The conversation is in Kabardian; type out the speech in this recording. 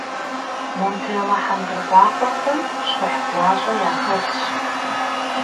Монтеллэ хьэндыркъуакъуэхэм щхъухь гуащӏэ яхэлъщ.